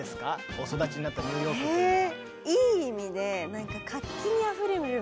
お育ちになったニューヨークというのは。